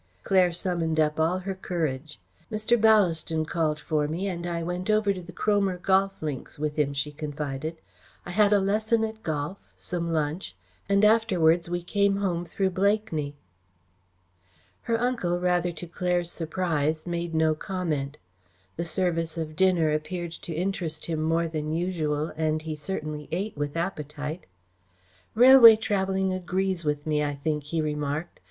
Claire summoned up all her courage. "Mr. Ballaston called for me and I went over to the Cromer Golf Links with him," she confided. "I had a lesson at golf, some lunch, and afterwards we came home through Blakeney." Her uncle, rather to Claire's surprise, made no comment. The service of dinner appeared to interest him more than usual, and he certainly ate with appetite. "Railway travelling agrees with me, I think," he remarked.